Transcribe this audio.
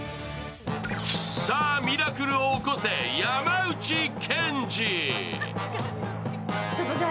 さあミラクルを起こせ、山内健司。